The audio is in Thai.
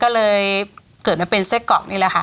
ก็เลยเกิดมาเป็นเศษกรอกนี่แล้วค่ะ